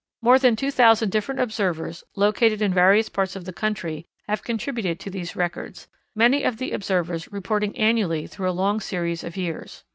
More than two thousand different observers located in various parts of the country have contributed to these records, many of the observers reporting annually through a long series of years.